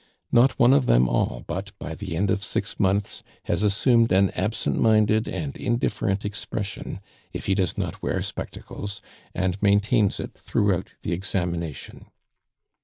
Not one of them all but, by the end of six months, has assumed an absent minded and indifferent expression, if he does not wear spectacles, and maintains it throughout the examination.